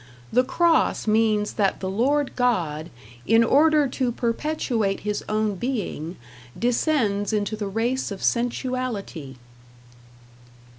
The cross means that the Lord God, in order to perpetuate his own being, descends into the race of sensuality.